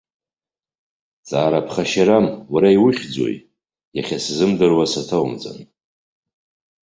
Ҵаара ԥхашьарам, уара иухьӡуи, иахьсзымдыруа саҭоумҵан?